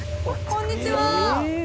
こんにちは。